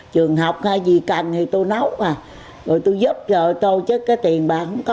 trường học hay gì cần thì tôi nấu à rồi tôi giúp rồi tôi chứ cái tiền bạc không có